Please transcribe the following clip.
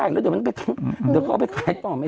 ดูเอาไป้ายต่อสมัย